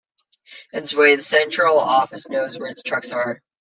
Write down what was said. In this way, the central office knows where its trucks are.